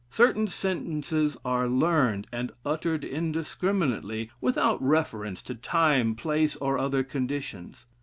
Certain sentences are learned, and uttered indiscriminately, without reference to time, place, or other conditions.